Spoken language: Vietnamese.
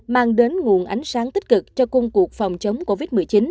mang đến nguồn ánh sáng tích cực cho công cuộc phòng chống covid một mươi chín